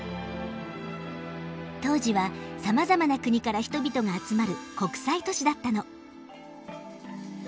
当時はさまざまな国から人々が集まる国際都市だったの。